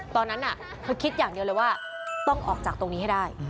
ตอนนั้นเธอคิดอย่างเดียวเลยว่าต้องออกจากตรงนี้ให้ได้